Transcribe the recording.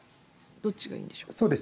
どっちがいいんでしょう？